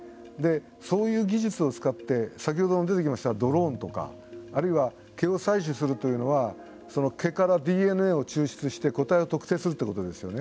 そういう技術を使って先ほども出てきましたがドローンとかあるいは毛を採取するというのは毛からＤＮＡを抽出して個体を特定するということですよね。